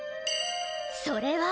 それは。